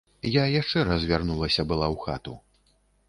Я яшчэ раз вярнулася была ў хату.